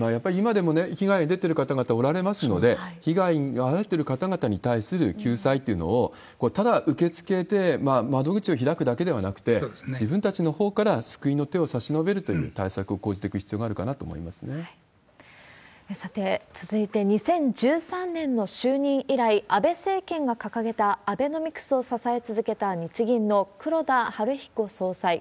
やっぱり今でも被害出てる方おられますので、被害に遭われてる方々に対する救済というのを、ただ受け付けて、窓口を開くだけではなくて、自分たちのほうから救いの手を差し伸べるという対策を講じていくさて、続いて、２０１３年の就任以来、安倍政権が掲げたアベノミクスを支え続けた日銀の黒田東彦総裁。